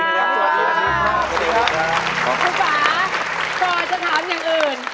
คุณฟ้าก่อนจะถามอย่างอื่น